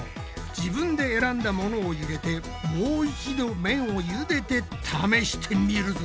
自分で選んだものを入れてもう一度麺をゆでて試してみるぞ！